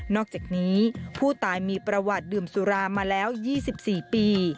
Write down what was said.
อกจากนี้ผู้ตายมีประวัติดื่มสุรามาแล้ว๒๔ปี